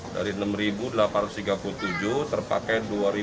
dari enam delapan ratus tiga puluh tujuh terpakai dua ratus